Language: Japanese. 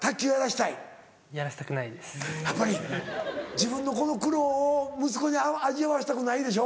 自分のこの苦労を息子に味わわせたくないでしょ？